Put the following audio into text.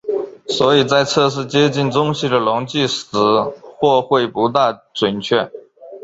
所以在测试接近中性的溶剂时或会不大准确。